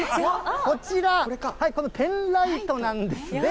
こちら、このペンライトなんですね。